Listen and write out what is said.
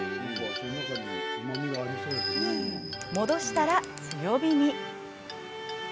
戻したら強火に。